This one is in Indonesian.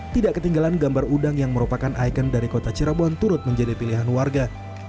tidak ketinggalan gambar udang yang merupakan ikon dari kota cirebon turut menjadi pilihan warga